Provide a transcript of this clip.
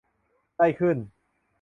ได้ขึ้น